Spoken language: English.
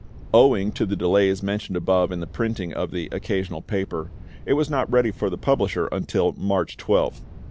"Owing to the delays mentioned above in the printing of the 'Occasional Paper,' it was not ready for the publisher until March 12th.